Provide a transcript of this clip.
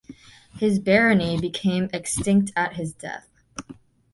His barony became extinct at his death.